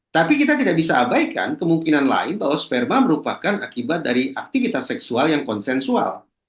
tapi kita tidak bisa abaikan kemungkinan lain bahwa sperma merupakan akibat dari aktivitas seksual yang konsensual